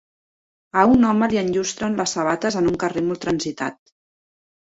A un home li enllustren les sabates en un carrer molt transitat.